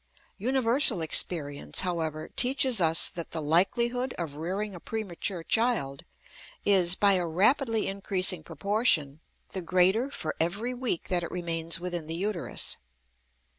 Universal experience, however, teaches us that the likelihood of rearing a premature child is, by a rapidly increasing proportion, the greater for every week that it remains within the uterus.